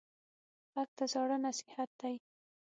غږ د زاړه نصیحت دی